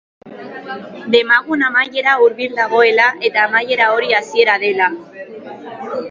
Demagun amaiera hurbil dagoela eta amaiera hori hasiera dela.